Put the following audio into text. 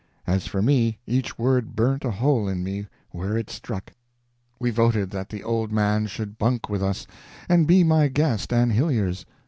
As for me each word burnt a hole in me where it struck. We voted that the old man should bunk with us, and be my guest and Hillyer's.